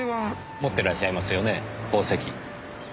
持ってらっしゃいますよね宝石。